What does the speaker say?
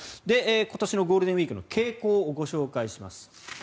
今年のゴールデンウィークの傾向をご紹介します。